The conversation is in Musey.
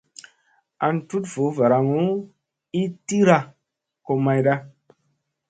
An tut voo varaŋu ii tiira ko mayda.